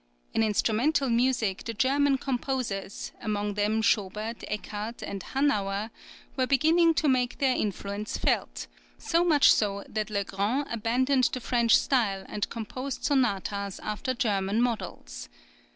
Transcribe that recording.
[20026] In instrumental music the German composers, among them Schobert, Eckart, and Hannauer, were beginning to make their influence felt, so much so that Le Grand[20027] abandoned the French style and composed sonatas after German models.